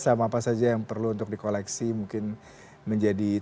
standar efek tidak terbayar dalam saat ini teradap ke listing sampai kali ini